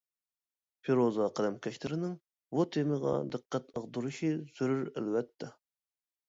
پىروزا قەلەمكەشلىرىنىڭ بۇ تېمىغا دىققەت ئاغدۇرۇشى زۆرۈر، ئەلۋەتتە.